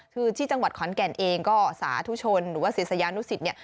คือที่จังหวัดขอนแก่นเองก็สาธุชนหรือว่าศิษยานุสิตเนี่ย